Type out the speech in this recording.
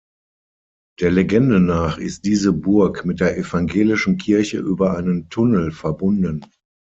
Der Legende nach ist diese Burg mit der evangelischen Kirche über einen Tunnel verbunden.